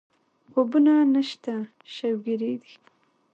خوبونه نشته شوګېري دي